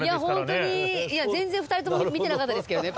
いや全然２人とも見てなかったですけどね